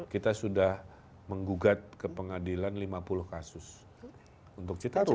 kita sudah menggugat ke pengadilan lima puluh kasus untuk citarum